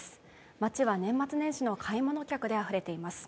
街は年末年始の買い物客であふれています。